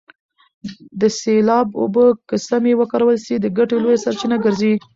د سیلاب اوبه که سمې وکارول سي د ګټې لویه سرچینه ګرځي.